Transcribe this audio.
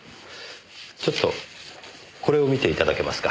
ちょっとこれを見ていただけますか？